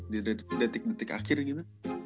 di detik detik akhir gitu